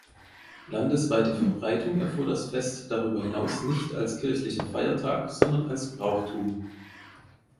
Landesweite Verbreitung erfuhr das Fest darüber hinaus nicht als kirchlicher Feiertag, sondern als Brauchtum.